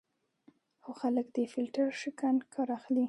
خو خلک له فیلټر شکن کار اخلي.